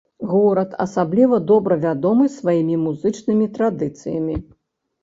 Горад асабліва добра вядомы сваімі музычнымі традыцыямі.